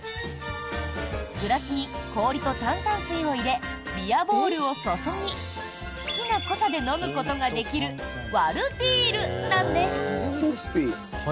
グラスに氷と炭酸水を入れビアボールを注ぎ好きな濃さで飲むことができる割るビールなんです。